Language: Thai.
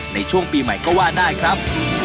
ในช่วงปีใหม่ก็ว่าได้ครับ